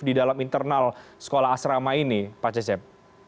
di dalam internal sekolah asrama ini pak cecep